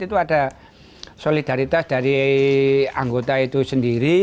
itu ada solidaritas dari anggota itu sendiri